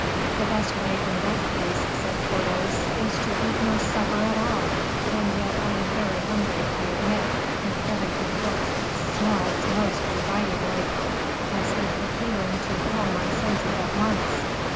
"The best way, in that case," said Porthos, "is to eat no supper at all; and yet I am very hungry, I admit, and everything looks and smells most invitingly, as if appealing to all my senses at once."